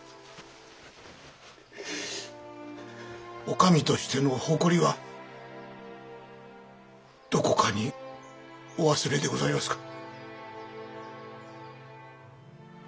お上としての誇りはどこかにお忘れでございますか？